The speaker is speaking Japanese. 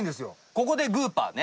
ここでグーパーね。